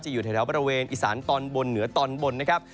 อยู่แถวบริเวณอีสานตอนบนเหนือตอนบนนะครับ